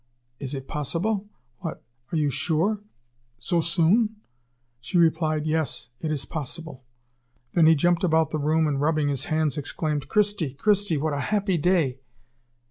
"Is it possible? What? Are you sure? So soon?" She replied: "Yes it is possible!" Then he jumped about the room, and rubbing his hands, exclaimed: "Christi! Christi! What a happy day!"